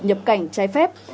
nhập cảnh trái phép